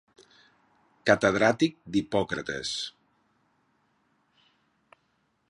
Catedràtic d’Hipòcrates.